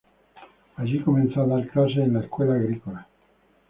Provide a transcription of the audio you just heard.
Allí comenzó a dar clases en la Escuela Agrícola.